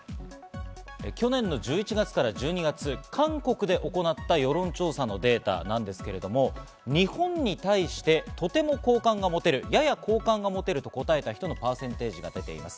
去年１１月から１２月、韓国で行った世論調査のデータなんですか、日本に対してとても好感が持てる、やや好感が持てると答えた人のパーセンテージが出ています。